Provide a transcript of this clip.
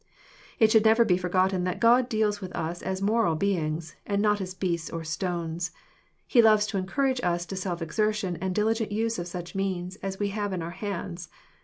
It should never be forgotten that God deals with us as moral beings, and not as beasts or stones. He loves to encourage us to solf exertion and diligent use of such means as we have in our hands.